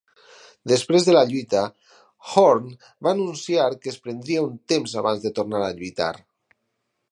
Després de la lluita, Horn va anunciar que es prendria un temps abans de tornar a lluitar.